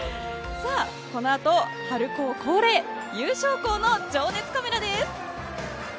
この後、春高恒例優勝校の情熱カメラです。